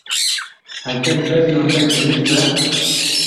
Heger bejna te kinik be.